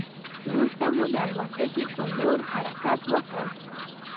وروسته مو د الوتکې په لور حرکت وکړ.